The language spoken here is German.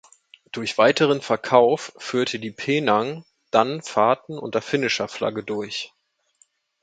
Durch weiteren Verkauf führte die "Penang" dann Fahrten unter finnischer Flagge durch.